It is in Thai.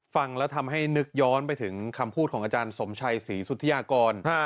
ฟังแล้วทำให้นึกย้อนไปถึงคำพูดของอาจารย์สมชัยศรีสุธิยากร